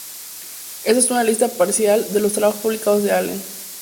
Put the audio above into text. Esto es una lista parcial de los trabajo publicados de Allen